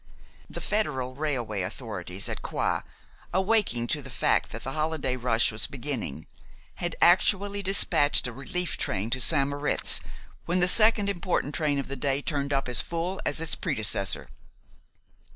The federal railway authorities at Coire, awaking to the fact that the holiday rush was beginning, had actually dispatched a relief train to St. Moritz when the second important train of the day turned up as full as its predecessor.